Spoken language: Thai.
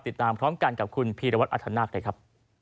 ติดตามพร้อมกันกับคุณพีรวัตรอธนาคเลยครับ